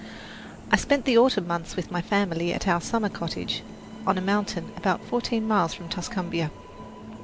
I spent the autumn months with my family at our summer cottage, on a mountain about fourteen miles from Tuscumbia.